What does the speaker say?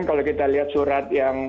kalau kita lihat surat yang